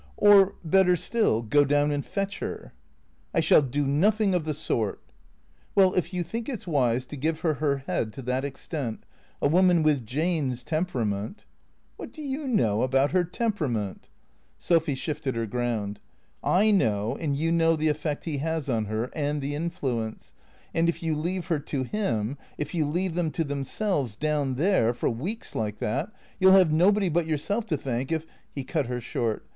" Or better still, go down and fetch her." " I shall do nothing of the sort." " Well, if you think it 's wise to give her her head to that ex tent — a woman with Jane's temperament " "What do you know about her temperament?" Sophy shifted her ground. " I know, and you know the effect he has on her, and the influence ; and if you leave her to him — if you leave them to themselves, down there — for weeks like that — you '11 have nobody but yourself to thank if " He cut her short.